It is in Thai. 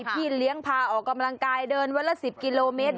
พี่เลี้ยงพาออกกำลังกายเดินวันละ๑๐กิโลเมตร